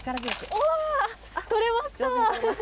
おー、取れました。